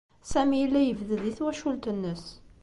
Sami yella yebded i twacult-nnes.